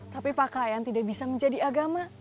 tapi pakaian tidak bisa menjadi agama